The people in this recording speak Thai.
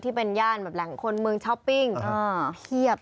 ที่เป็นย่านแบบแหล่งคนเมืองช้อปปิ้งเพียบ